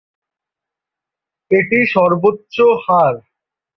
এটি সর্বোচ্চ হার।